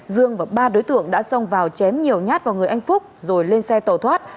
dương và ba đối tượng đã xông vào chém nhiều nhát vào người anh phúc rồi lên xe tàu thoát